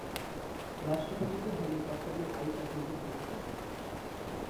राष्ट्रपति के हेलिकॉप्टर में आई तकनीकी समस्या